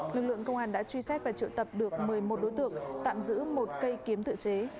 lực lượng công an đã truy xét và triệu tập được một mươi một đối tượng tạm giữ một cây kiếm tự chế